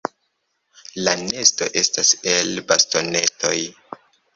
La nesto estas el bastonetoj.